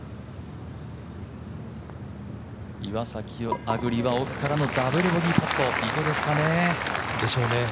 岩崎亜久竜は奥からのダブルボギーパット、池ですかね。